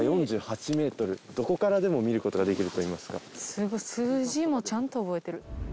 すごい数字もちゃんと覚えてる。